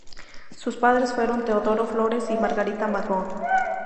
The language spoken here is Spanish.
Sus padres fueron Teodoro Flores y Margarita Magón.